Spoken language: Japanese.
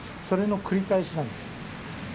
それの繰り返しなんですよ。